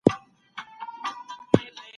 هیوادونه د لاسته راوړنو په برخه کي لاس ورکوي.